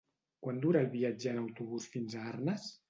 Quant dura el viatge en autobús fins a Arnes?